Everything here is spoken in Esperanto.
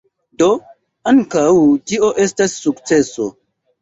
Do, ankaŭ tio estas sukceso.